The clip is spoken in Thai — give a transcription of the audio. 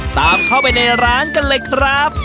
ตามเข้าไปในร้านกันเลยครับ